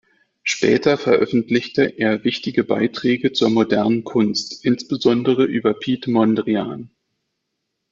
Später veröffentlichte er wichtige Beiträge zur modernen Kunst, insbesondere über Piet Mondrian.